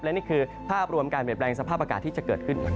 และนี่คือภาพรวมการเปลี่ยนแปลงสภาพอากาศที่จะเกิดขึ้น